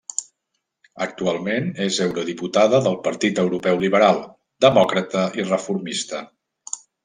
Actualment és eurodiputada del Partit Europeu Liberal, Demòcrata i Reformista.